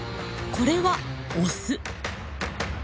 これはオス。